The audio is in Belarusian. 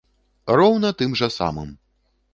Роўна тым жа самым!